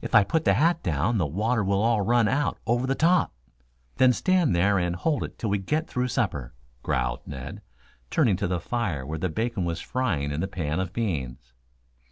"If I put the hat down the water will all run out over the top." "Then stand there and hold it till we get through supper," growled Ned, turning to the fire where the bacon was frying in the pan of beans.